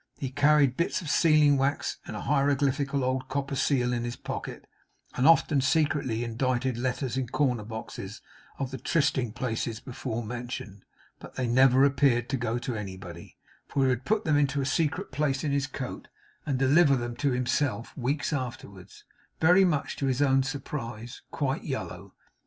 He carried bits of sealing wax and a hieroglyphical old copper seal in his pocket, and often secretly indited letters in corner boxes of the trysting places before mentioned; but they never appeared to go to anybody, for he would put them into a secret place in his coat, and deliver them to himself weeks afterwards, very much to his own surprise, quite yellow.